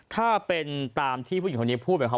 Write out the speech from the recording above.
ถ้าเป็นตามที่ผู้หญิงคนนี้พูดแบบค่ะ